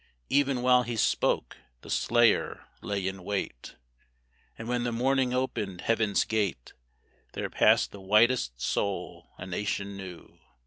Even while he spoke, the slayer lay in wait, And when the morning opened Heaven's gate There passed the whitest soul a nation knew.